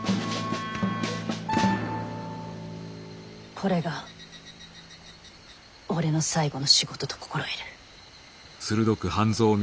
これが俺の最後の仕事と心得る。